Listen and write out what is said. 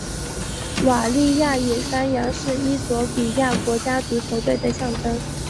瓦利亚野山羊是衣索比亚国家足球队的象征。